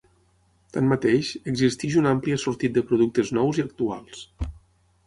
Tanmateix existeix un ampli assortit de productes nous i actuals.